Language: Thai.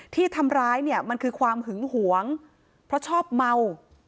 ที่ทำร้ายเนี่ยมันคือความหึงหวงเพราะชอบเมา